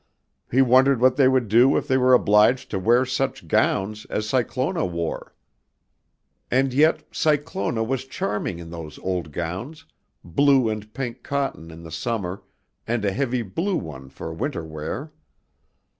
He wondered what they would do if they were obliged to wear such gowns as Cyclona wore. And yet Cyclona was charming in those old gowns, blue and pink cotton in the summer and a heavy blue one for winter wear.